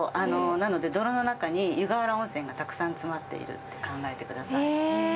なので、泥の中に湯河原温泉がたくさん詰まっていると考えてください。